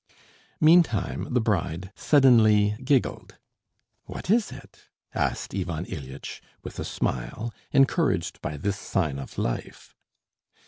Meantime the bride suddenly giggled. "What is it?" asked Ivan Ilyitch with a smile, encouraged by this sign of life.